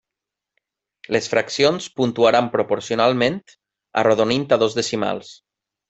Les fraccions puntuaran proporcionalment arrodonint a dos decimals.